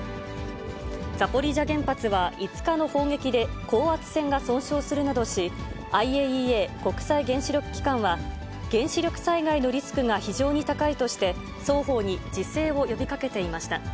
ザポリージャ原発は５日の砲撃で高圧線が損傷するなどし、ＩＡＥＡ・国際原子力機関は、原子力災害のリスクが非常に高いとして、双方に自制を呼びかけていました。